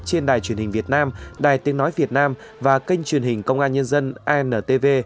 trên đài truyền hình việt nam đài tiếng nói việt nam và kênh truyền hình công an nhân dân antv